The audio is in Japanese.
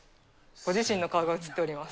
ご自身の顔が映っております。